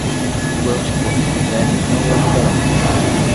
Os planos que você fizer não o ajudarão.